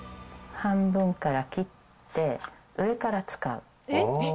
半分から切って上から使う。